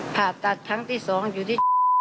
ผ่าตัดครั้งที่๒อยู่ที่